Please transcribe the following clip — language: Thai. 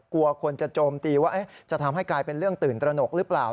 กลัวคนจะโจมตีว่าจะทำให้กลายเป็นเรื่องตื่นตระหนกหรือเปล่า